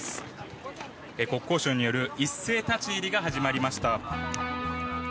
国交省による一斉立ち入りが始まりました。